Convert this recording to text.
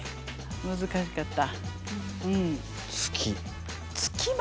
難しかった。